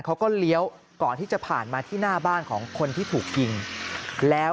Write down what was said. เลี้ยวก่อนที่จะผ่านมาที่หน้าบ้านของคนที่ถูกยิงแล้ว